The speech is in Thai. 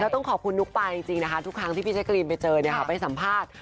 ต้องขอบคุณนุ๊กปายจริงนะคะทุกครั้งที่พี่แจกรีนไปเจอไปสัมภาษณ์